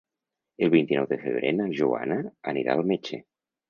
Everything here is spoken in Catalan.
El vint-i-nou de febrer na Joana anirà al metge.